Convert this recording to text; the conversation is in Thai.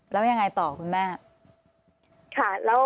แล้วยังไงต่อคุณแม่